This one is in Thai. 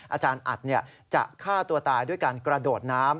อาจารย์อัดจะฆ่าตัวตายด้วยการกระโดดน้ำ